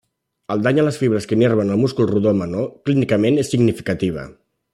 El dany a les fibres que innerven el múscul rodó menor clínicament és significativa.